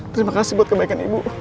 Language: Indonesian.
terima kasih buat kebaikan ibu